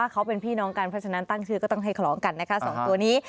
ก็ต้องให้ขอร้องกันนะคะสองตัวนี้